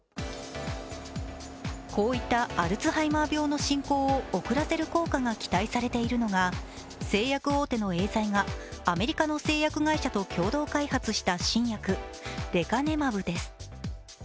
こういったアルツハイマー病の進行を遅らせる効果が期待されているのが製薬大手のエーザイがアメリカの製薬会社と共同開発した新薬・レカネマブです。